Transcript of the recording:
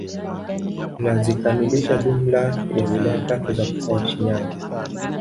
Inazikamilisha jumla ya wilaya tatu za mkoa wa Shinyanga